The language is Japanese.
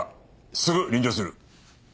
すぐ臨場する。